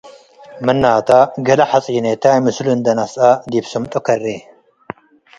ምናተ፡ ገሌ ሐጺኔታይ ምስሉ እንዴ ነስአ ዲብ ስምጡ ከሬ።